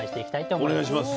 お願いします。